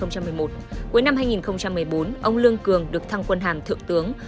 cuối năm hai nghìn một mươi bốn ông lương cường được thăng quân hàm thượng tướng